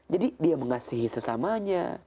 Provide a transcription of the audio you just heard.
jadi dia mengasihi sesamanya